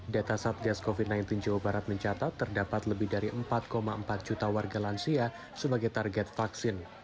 data satgas covid sembilan belas jawa barat mencatat terdapat lebih dari empat empat juta warga lansia sebagai target vaksin